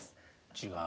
違う？